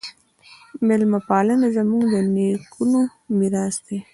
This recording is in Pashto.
میلمه پالنه زموږ د نیکونو میراث دی.